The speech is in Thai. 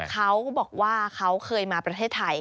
เขาบอกว่าเขาเคยมาประเทศไทย